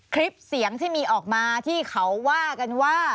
คลิปเสียงที่มีออกมาที่เขาว่ากันว่า